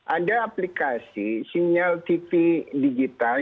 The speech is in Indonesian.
ada aplikasi sinyal tv digital